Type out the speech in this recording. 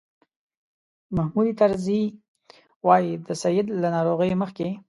محمود طرزي وایي د سید له ناروغۍ مخکې.